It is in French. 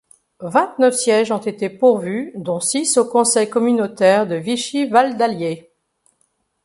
Vingt-neuf sièges ont été pourvus dont six au conseil communautaire de Vichy Val d'Allier.